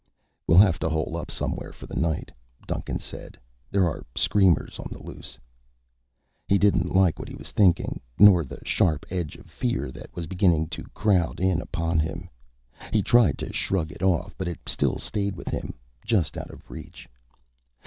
"We'll have to hole up somewhere for the night," Duncan said. "There are screamers on the loose." He didn't like what he was thinking, nor the sharp edge of fear that was beginning to crowd in upon him. He tried to shrug it off, but it still stayed with him, just out of reach.